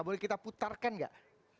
boleh kita putarkan nggak